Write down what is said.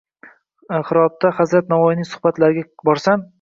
Hirotda hazrat Navoiyning suhbatlariga borsam